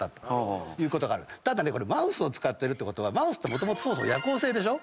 マウスを使ってるってことはマウスってそもそも夜行性でしょ。